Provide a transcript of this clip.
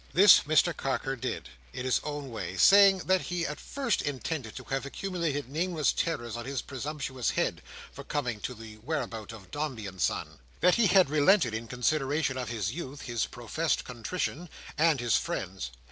This Mr Carker did, in his own way; saying that he at first intended to have accumulated nameless terrors on his presumptuous head, for coming to the whereabout of Dombey and Son. That he had relented, in consideration of his youth, his professed contrition, and his friends.